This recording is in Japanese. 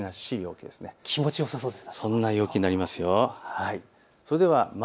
気持ちよさそうですね。